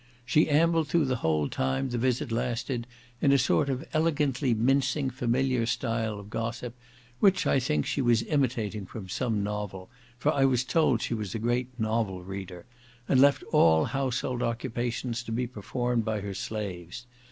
She ambled through the whole time the visit lasted, in a sort of elegantly mincing familiar style of gossip, which, I think, she was imitating from some novel, for I was told she was a great novel reader, and left all household occupations to be performed by her slaves.